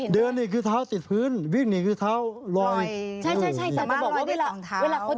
เดินหนีคือเท้าติดพื้นวิ่งหนีคือเท้าลอย